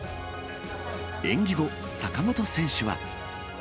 演技後、坂本選手は。